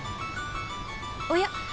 おや？